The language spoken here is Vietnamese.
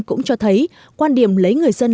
cũng cho thấy quan điểm lấy người dân